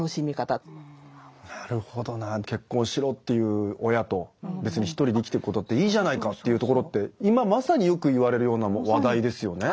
結婚しろと言う親と別に一人で生きていくことっていいじゃないかというところって今まさによく言われるような話題ですよね。